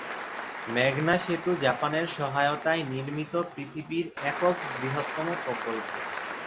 মেঘনা সেতু জাপানের সহায়তায় নির্মিত পৃথিবীর একক বৃহত্তম প্রকল্প।